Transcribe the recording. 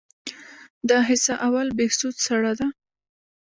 د حصه اول بهسود سړه ده